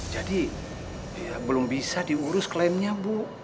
jadi belum bisa diurus klaimnya bu